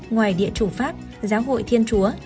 ngoài địa chủ pháp giáo hội thiên chúa